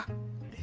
え？